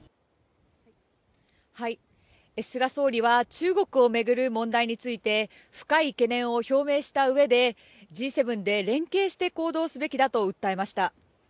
菅総理は中国を巡る問題について深い懸念を表明したうえでＧ７で連携して行動すべきだと訴えました。